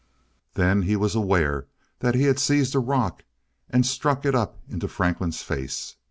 Then he was aware that he had seized a rock and struck it up into Franklin's face.